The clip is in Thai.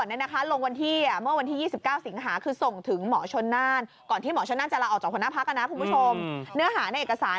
ใช่มาวันนี้คุณสันทนาปยุรัติค่ะ